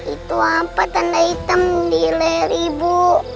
itu apa tanda hitam di leher ibu